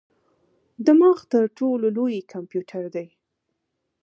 دماغ تر ټولو لوی کمپیوټر دی.